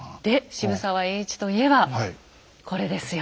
渋沢栄一といえばこれですよ。